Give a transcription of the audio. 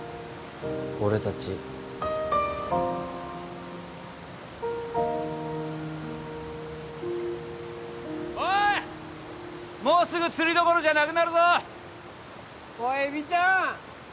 俺たちおいもうすぐ釣りどころじゃなくなるぞおエビちゃん！